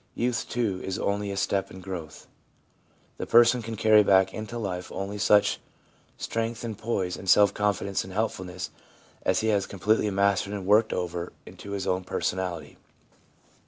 Youth, too, is only a step in growth. The person can carry back into life only such strength and poise and self confidence and helpful ness as he has completely mastered and worked over into his own personality.